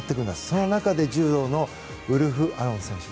その中で柔道のウルフアロン選手。